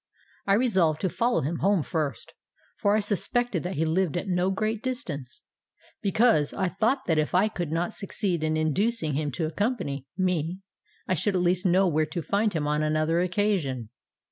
I resolved to follow him home first—for I suspected that he lived at no great distance; because, I thought that if I could not succeed in inducing him to accompany me, I should at least know where to find him on another occasion.